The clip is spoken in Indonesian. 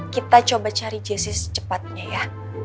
kita coba cari jesse secepatnya ya